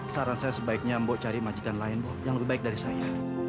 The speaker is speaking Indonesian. saran saya sebaiknya mbok cari majikan lain yang lebih baik dari saya